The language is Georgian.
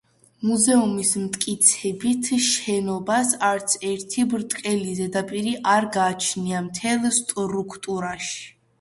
მუზეუმის მტკიცებით შენობას არც ერთი ბრტყელი ზედაპირი არ გააჩნია მთელ სტრუქტურაში.